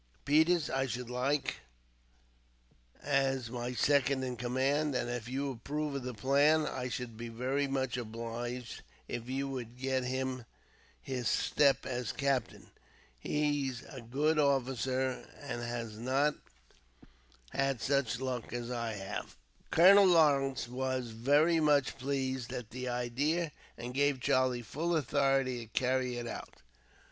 Peters I should like as my second in command; and, if you approve of the plan, I should be very much obliged if you would get him his step as captain. He's a good officer, but has not had such luck as I have." Colonel Lawrence was very much pleased at the idea, and gave Charlie full authority to carry it out.